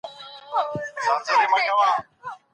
که څوک قوم او خپلوان و نلري څه کيږي؟